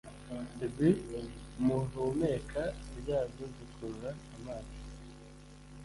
izi mu ihumeka ryazo zikurura amazi